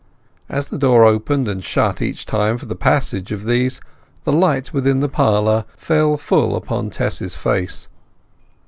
As the door opened and shut each time for the passage of these, the light within the parlour fell full upon Tess's face.